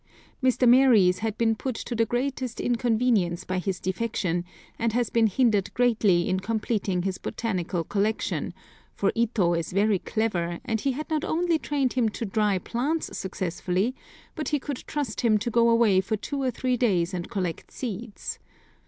Mr. Maries has been put to the greatest inconvenience by his defection, and has been hindered greatly in completing his botanical collection, for Ito is very clever, and he had not only trained him to dry plants successfully, but he could trust him to go away for two or three days and collect seeds.